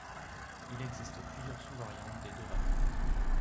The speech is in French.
Il existe plusieurs sous-variantes des deux variantes.